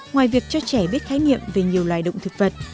ngoài việc cho trẻ biết khái niệm về nhiều loài động thực vật